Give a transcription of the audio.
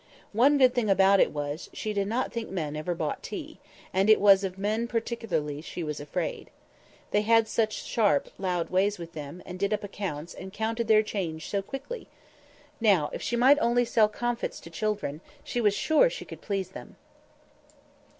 One good thing about it was, she did not think men ever bought tea; and it was of men particularly she was afraid. They had such sharp loud ways with them; and did up accounts, and counted their change so quickly! Now, if she might only sell comfits to children, she was sure she could please them!